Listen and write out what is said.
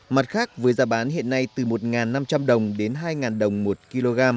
mặt khác với giá bán hiện nay từ một năm trăm linh đồng đến hai đồng một kg